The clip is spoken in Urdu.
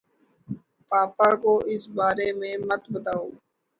پاپا کو اِس بارے میں مت بتاؤ۔